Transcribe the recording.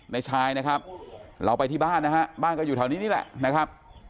ในชายนะครับเราไปที่บ้านนะฮะบ้านก็อยู่แถวนี้นี่แหละนะครับ